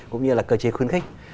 cũng như là cơ chế khuyến khích